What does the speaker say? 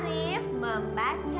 arif membaca buku